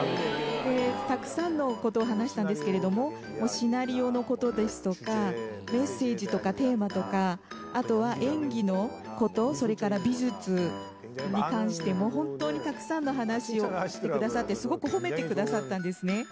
たくさんのことを話したんですけれども、シナリオのことですとか、メッセージとかテーマとか、あとは演技のこと、それから美術に関しても、本当にたくさんの話をしてくださって、すごく褒めてくださったんですね。